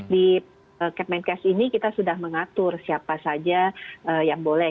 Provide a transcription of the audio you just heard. di kemenkes ini kita sudah mengatur siapa saja yang boleh